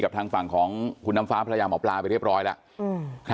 ทางฝั่งของคุณน้ำฟ้าภรรยาหมอปลาไปเรียบร้อยแล้ว